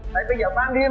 đấy bây giờ phan điên